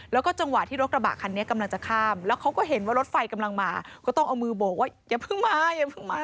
แล้วก็จังหวะที่รถกระบะคันนี้กำลังจะข้ามแล้วเขาก็เห็นว่ารถไฟกำลังมาก็ต้องเอามือบอกว่าอย่าเพิ่งมาอย่าเพิ่งมา